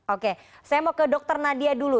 oke saya mau ke dr nadia dulu